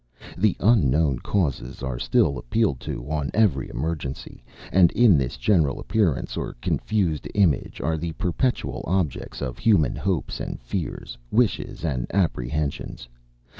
The unknown causes are still appealed to on every emergency; and in this general appearance or confused image, are the perpetual objects of human hopes and fears, wishes and apprehensions.